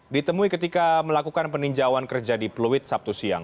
ditemui ketika melakukan peninjauan kerja di pluit sabtu siang